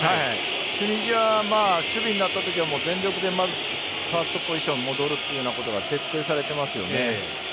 チュニジアは守備になったときは全力でファーストポジションに戻るということが徹底されてますよね。